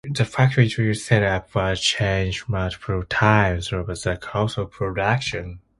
The factory trigger setup was changed multiple times over the course of production.